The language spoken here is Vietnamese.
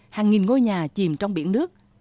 hàng nghìn ngôi nhà chìm trong biển nước